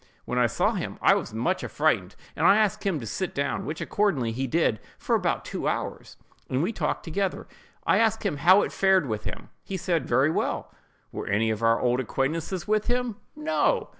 When I saw him, I was not much affrighted, and I asked him to sit down, which accordingly he did for about two hours, and we talked together. I asked him how it fared with him. He said, "Very well."—"Were any of our old acquaintances with him?"—"No!"